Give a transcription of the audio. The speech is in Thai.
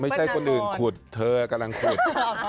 ไม่ใช่คนอื่นขุดเธอกำลังขุด